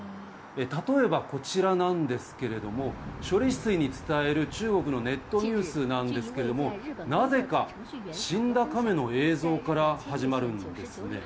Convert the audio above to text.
例えばこちらなんですけれども、処理水を伝える中国のネットニュースなんですけれども、なぜか死んだ亀の映像から始まるんですね。